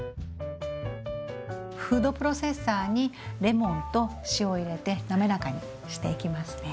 フードプロセッサーにレモンと塩を入れて滑らかにしていきますね。